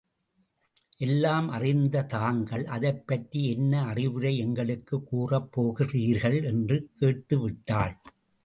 எல்லாம் அறிந்ததாங்கள் அதைப்பற்றி என்ன அறிவுரை எங்களுக்கு கூறப் போகிறீர்கள் என்று கேட்டுவிட்டாள்.